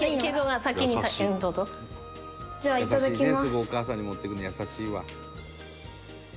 「すぐお母さんに持っていくの優しいわ」